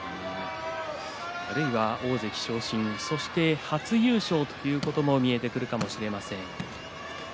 あるいは大関昇進そして初優勝ということも見えてくるかもしれません。